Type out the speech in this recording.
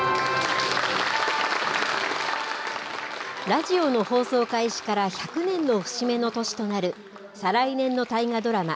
ラジオの放送開始から１００年の節目の年となる再来年の大河ドラマ